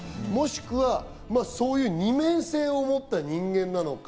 もしくは、そういう二面性を持った人間なのか。